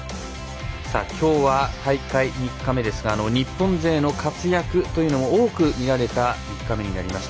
きょうは大会３日目ですが日本勢の活躍というのも多く見られた３日目になりました。